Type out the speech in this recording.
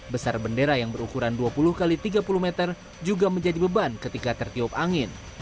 besar bendera yang berukuran dua puluh x tiga puluh meter juga menjadi beban ketika tertiup angin